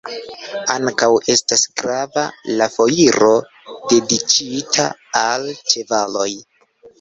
Ankaŭ estas grava la Foiro dediĉita al ĉevaloj.